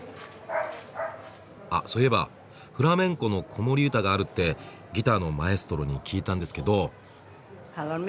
あっそういえばフラメンコの子守歌があるってギターのマエストロに聞いたんですけど。